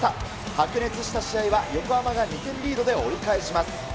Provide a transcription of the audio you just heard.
白熱した試合は、横浜が２点リードで折り返します。